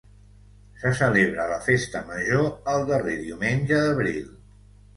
Se celebra la festa major el darrer diumenge d'abril.